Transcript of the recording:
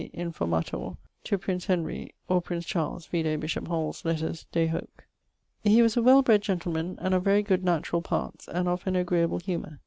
e. informator) to prince Henry (or prince Charles vide bishop Hall's Letters de hoc). He was a well bred gentleman, and of very good naturall parts, and of an agreable humour.